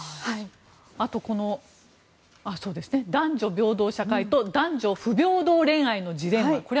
あと、男女平等社会と男女不平等恋愛のジレンマ。